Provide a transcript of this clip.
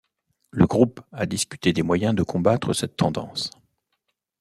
Le groupe a discuté des moyens de combattre cette tendance.